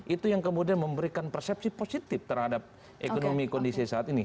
itu yang kemudian memberikan persepsi positif terhadap ekonomi kondisi saat ini